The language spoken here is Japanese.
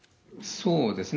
そうですね。